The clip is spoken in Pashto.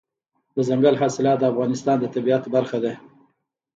دځنګل حاصلات د افغانستان د طبیعت برخه ده.